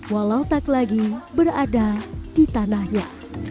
walau tak lagi berada di tanahnya